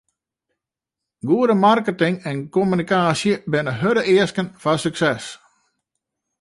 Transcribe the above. Goede marketing en kommunikaasje binne hurde easken foar sukses.